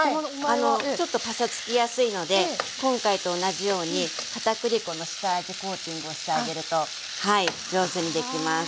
ちょっとパサつきやすいので今回と同じように片栗粉の下味コーティングをしてあげるとはい上手にできます。